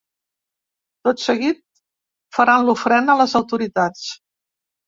Tot seguit, faran l’ofrena les autoritats.